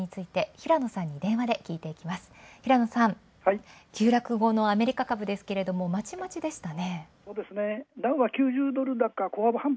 平野さん、急落後のアメリカ株ですが、まちまちでしたね。